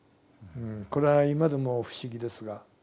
これは今でも不思議ですが。